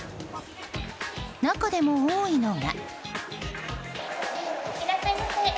中でも多いのが。